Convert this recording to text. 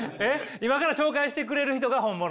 今から紹介してくれる人が本物？